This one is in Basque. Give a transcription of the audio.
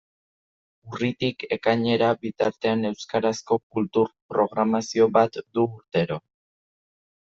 Urritik ekainera bitartean euskarazko kultur programazio bat du urtero.